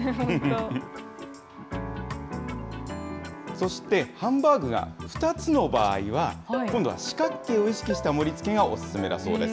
そしてハンバーグが２つの場合は、今度は四角形を意識した盛りつけがお勧めだそうです。